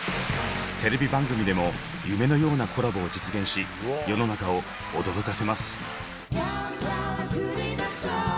テレビ番組でも夢のようなコラボを実現し世の中を驚かせます。